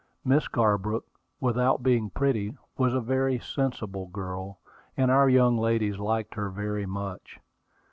Miss Garbrook, without being pretty, was a very sensible girl, and our young ladies liked her very much.